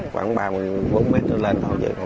khoảng ba bốn mét nó lên